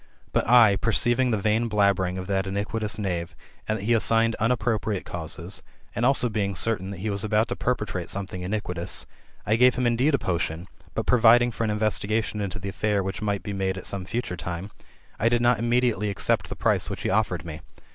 But 1, perceiving the vain blabbering of that iniquitous knave, and that he assic^ned unappropriate causes, and also being certain that he was about to perpetrate something iniquitous, I gave him indeed a potion, but providing for an investigation into the affair which might be made at some future time, I did not immediately accept the price which he offered me.